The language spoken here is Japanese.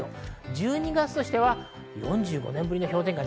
１２月としては４５年ぶりの氷点下。